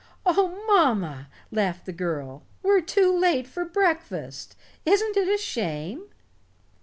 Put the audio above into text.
"Oh, mamma," laughed the girl, "we're too late for breakfast! Isn't it a shame?"